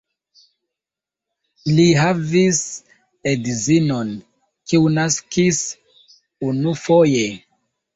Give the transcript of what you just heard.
Li havis edzinon, kiu naskis unufoje.